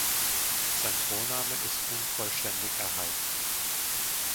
Sein Thronname ist unvollständig erhalten.